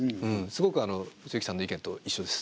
すごく露木さんの意見と一緒です。